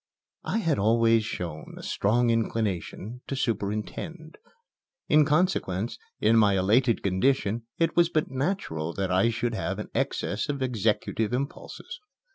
I had always shown a strong inclination to superintend. In consequence, in my elated condition it was but natural that I should have an excess of executive impulses.